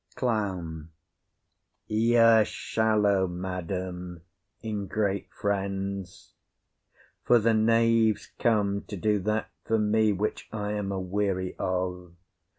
CLOWN. Y'are shallow, madam, in great friends; for the knaves come to do that for me which I am a weary of.